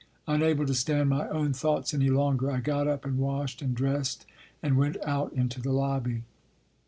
Unable to stand my own thoughts any longer, I got up and washed and dressed and went out into the lobby.